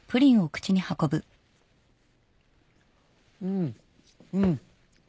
うんうん。